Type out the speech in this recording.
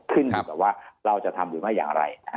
ขึ้นอยู่กับว่าเราจะทำอยู่แม่อย่างไร